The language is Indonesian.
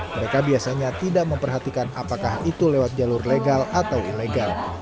mereka biasanya tidak memperhatikan apakah itu lewat jalur legal atau ilegal